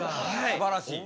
すばらしい。